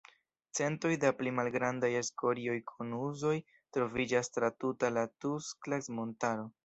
Centoj da pli malgrandaj skorio-konusoj troviĝas tra tuta la Tukstlas-Montaro.